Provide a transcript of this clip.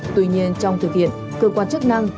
tuy nhiên trong thực hiện cơ quan chức năng